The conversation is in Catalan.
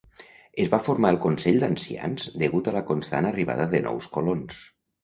Es va formar el consell d"ancians degut a la constant arribada de nous colons.